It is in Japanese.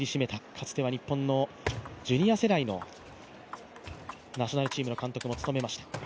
かつては日本のジュニア世代のナショナルチームの監督も務めました。